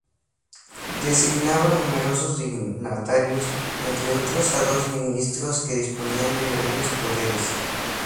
Designaba numerosos dignatarios, entre otros a dos ministros que disponían de grandes poderes.